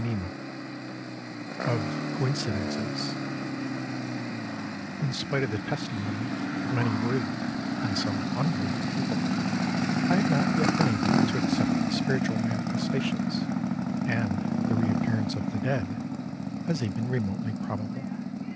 XXI OF COINCIDENCES In spite of the testimony of many worthy and some unworthy people, I have not yet been able to accept spiritual manifestations and the reappearance of the dead as even remotely probable.